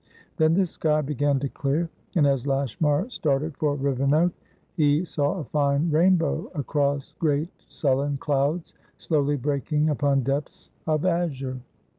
Then the sky began to clear, and as Lashmar started for Rivenoak be saw a fine rainbow across great sullen clouds, slowly breaking upon depths of azure.